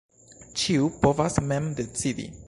Ĉiu povas mem decidi.